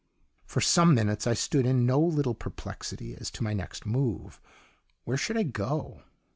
For some minutes I stood in no little perplexity as to my next move. Where should I go?